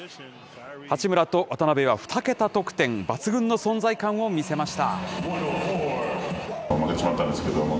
八村と渡邊は２桁得点、抜群の存在感を見せました。